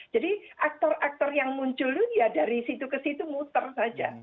jadi aktor aktor yang muncul ya dari situ ke situ muter saja